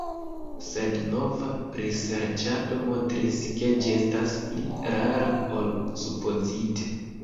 Sed nova priserĉado montris, ke ĝi estas pli rara ol supozite.